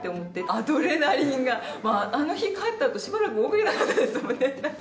アドレナリンがあの日帰った後しばらく動けなかったですもんね。